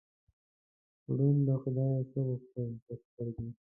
ړوند له خدایه څه غوښتل؟ دوه سترګې.